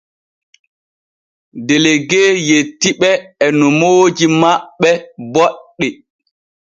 Delegue yetti ɓe e nomooji maɓɓe boɗɗi.